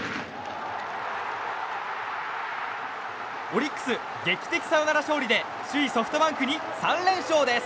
オリックス、劇的サヨナラ勝利で首位ソフトバンクに３連勝です。